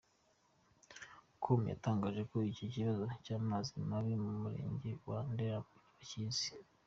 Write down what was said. com yatangaje ko iki kibazo cy’amazi mabi mu Murenge wa Ndera bakizi.